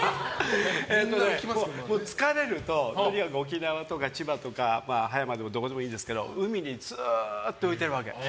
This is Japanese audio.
疲れるととにかく沖縄とか千葉とか葉山でもどこでもいいんですけど海にずっと浮いてるわけ。